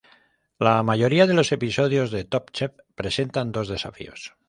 La mayoría de los episodios de "Top Chef" presentan dos desafíos.